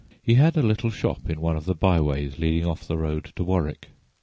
He had a little shop in one of the by ways leading off the road to Warwick.